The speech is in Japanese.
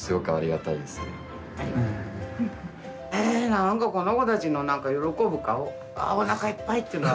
何かこの子たちの何か喜ぶ顔ああおなかいっぱいっていう。